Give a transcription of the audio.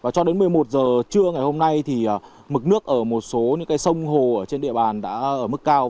cho đến một mươi một h trưa ngày hôm nay mực nước ở một số sông hồ trên địa bàn đã ở mức cao